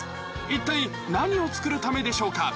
一体何を作るためでしょうか？